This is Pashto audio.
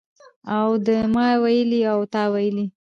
او د ما ویلي او تا ویلي